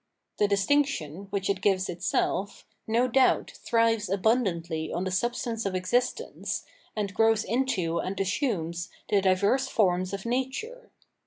The distinction, which it gives itself, no doubt thrives abundantly on the substance of existence, and grows into and assumes the diverse forms of nature.